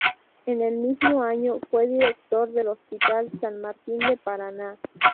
En el mismo año fue director del Hospital San Martín de Paraná.